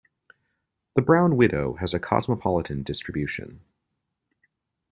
The brown widow has a cosmopolitan distribution.